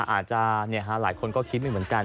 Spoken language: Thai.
อาจจะหลายคนก็คิดไม่เหมือนกัน